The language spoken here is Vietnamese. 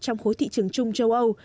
trong khối thị trường chung châu âu